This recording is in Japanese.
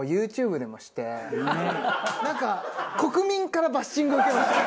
なんか国民からバッシングを受けました。